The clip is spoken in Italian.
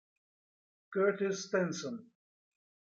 Curtis Stinson